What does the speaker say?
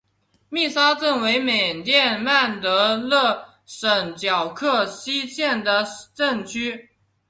密沙镇为缅甸曼德勒省皎克西县的镇区。